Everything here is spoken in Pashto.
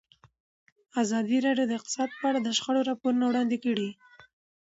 ازادي راډیو د اقتصاد په اړه د شخړو راپورونه وړاندې کړي.